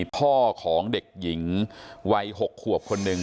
พ่อของเด็กหญิงวัย๖ขวบคนหนึ่ง